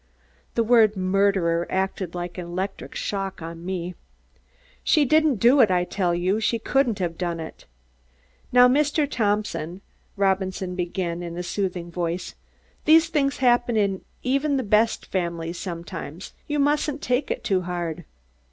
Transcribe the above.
The word "murderer" acted like an electric shock on me. "She didn't do it, I tell you; she couldn't have done it!" "Now, Mr. Thompson," Robinson began in a soothing voice. "These things happen in even the best families sometimes. You mustn't take it too hard."